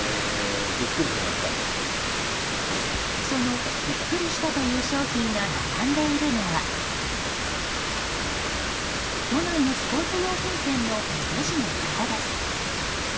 そのビックリしたという商品が並んでいるのは都内のスポーツ用品店のレジの横です。